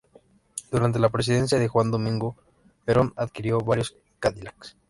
Durante la presidencia de Juan Domingo Perón adquirió varios Cadillacs.